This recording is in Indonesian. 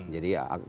jadi tidak percaya